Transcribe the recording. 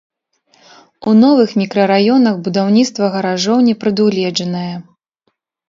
У новых мікрараёнах будаўніцтва гаражоў не прадугледжанае.